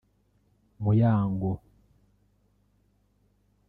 Muyango